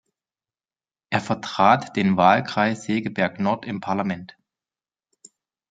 Er vertrat den Wahlkreis Segeberg-Nord im Parlament.